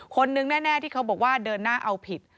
คนนึงแน่ที่เขาบอกว่าเดินหน้าเอาผิด